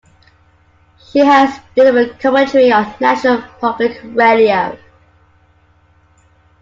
She has delivered commentary on National Public Radio.